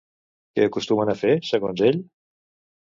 Què acostumen a fer, segons ell?